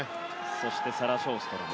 そしてサラ・ショーストロム